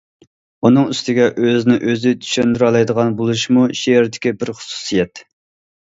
ئۇنىڭ ئۈستىگە، ئۆزىنى ئۆزى چۈشەندۈرەلەيدىغان بولۇشمۇ شېئىردىكى بىر خۇسۇسىيەت.